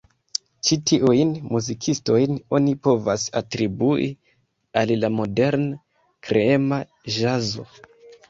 Ĉi tiujn muzikistojn oni povas atribui al la modern-kreema ĵazo.